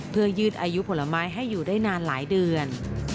เพื่อยืดอายุผลไม้ให้อยู่ได้นานหลายเดือน